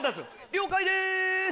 了解です